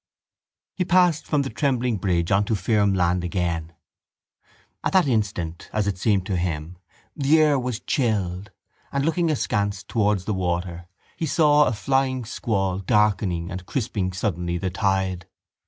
He passed from the trembling bridge on to firm land again. At that instant, as it seemed to him, the air was chilled and, looking askance towards the water, he saw a flying squall darkening and crisping suddenly the tide.